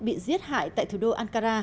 bị giết hại tại thủ đô ankara